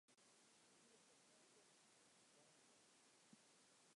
De hiele kommende wike is it stoarmich waar.